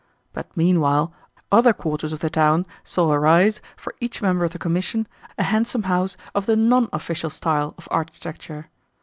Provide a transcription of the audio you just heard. But, meanwhile, OTHER quarters of the town saw arise, for each member of the Commission, a handsome house of the NON official style of architecture.